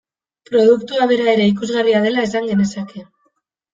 Produktua bera ere ikusgarria dela esan genezake.